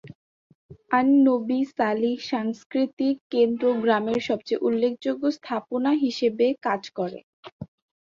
আন Nabi Salih সাংস্কৃতিক কেন্দ্র গ্রামের সবচেয়ে উল্লেখযোগ্য স্থাপনা হিসেবে কাজ করে।